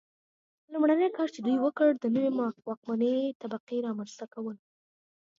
لومړنی کار چې دوی وکړ د نوې واکمنې طبقې رامنځته کول و.